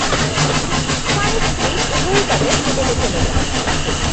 স্বামী-স্ত্রী উভয়ই তাদের হোটেলে চলে যান।